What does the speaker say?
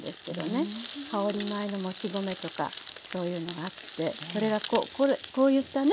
香り米のもち米とかそういうのがあってそれがこういったね